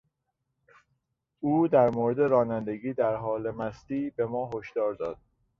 او در مورد رانندگی در حال مستی به ما هشدار داد.